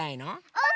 うん！